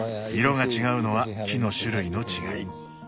色が違うのは木の種類の違い。